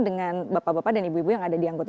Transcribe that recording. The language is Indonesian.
dengan bapak bapak dan ibu ibu yang ada di anggota